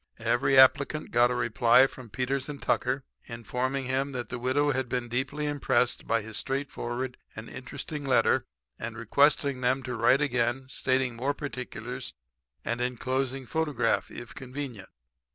"Every applicant got a reply from Peters & Tucker informing him that the widow had been deeply impressed by his straightforward and interesting letter and requesting them to write again; stating more particulars; and enclosing photograph if convenient.